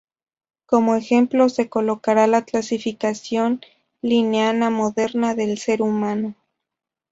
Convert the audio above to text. Como ejemplo, se colocará la clasificación linneana moderna del ser humano.